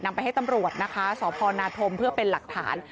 ไปให้ตำรวจนะคะสพนาธมเพื่อเป็นหลักฐาน